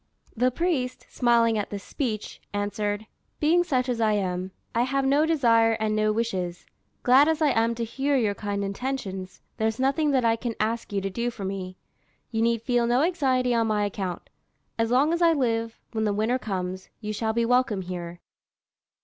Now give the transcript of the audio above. The priest, smiling at this speech, answered, "Being such as I am, I have no desire and no wishes. Glad as I am to hear your kind intentions, there is nothing that I can ask you to do for me. You need feel no anxiety on my account. As long as I live, when the winter comes, you shall be welcome here."